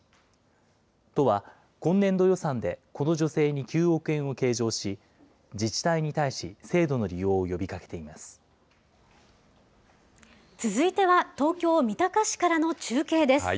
都は今年度予算でこの助成に９億円を計上し、自治体に対し、制度続いては東京・三鷹市からの中継です。